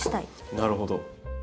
なるほど。